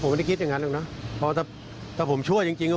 ผมไม่ได้คิดอย่างงั้นด้วยเนอะพอแต่แต่ผมชั่วจริงจริง